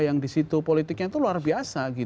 yang disitu politiknya itu luar biasa